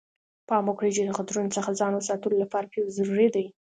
پام وکړئ چې د خطرونو څخه ځان ساتلو لپاره فیوز ضروري دی.